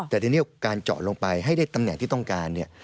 แต่ทีนี้การเจาะลงไปให้ได้ตำแหน่งที่ต้องการเนี่ย